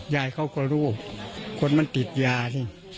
ยายเค้าก็รู้คนมันดิกรียาดิ